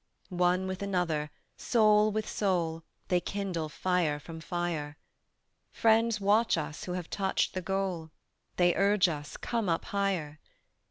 One with another, soul with soul, They kindle fire from fire: "Friends watch us who have touched the goal." "They urge us, come up higher."